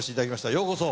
ようこそ。